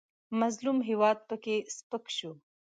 مظلوم هېواد پکې سپک شو.